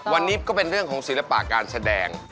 วันนี้ก็เป็นเรื่องของศิลปะการแสดง